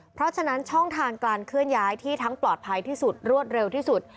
เพราะฉะนั้นช่องทางการเคลื่อนย้ายที่ทั้งปลอดภัยที่สุดรวดเร็วที่สุด